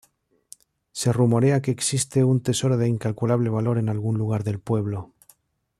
Se rumorea que existe un tesoro de incalculable valor en algún lugar del pueblo.